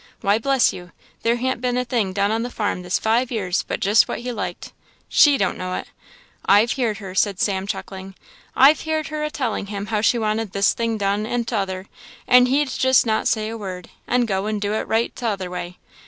Why, bless you! there han't been a thing done on the farm this five years but just what he liked she don't know it. I've heerd her," said Sam chucking "I've heerd her a telling him how she wanted this thing done and t'other, and he'd just not say a word, and go and do it right t'other way.